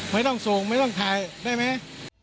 ไม่ต้องส่งไม่ต้องถ่ายได้ไหม